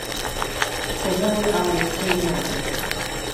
Tohle je ale něco jiného.